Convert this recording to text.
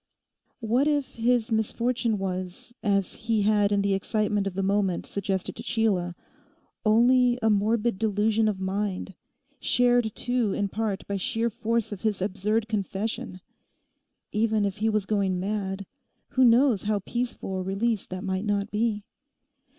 What if his misfortune was, as he had in the excitement of the moment suggested to Sheila, only a morbid delusion of mind; shared too in part by sheer force of his absurd confession? Even if he was going mad, who knows how peaceful a release that might not be?